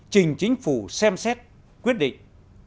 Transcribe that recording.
trình chính phủ xem xét quyết định